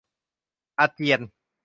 อาเจียน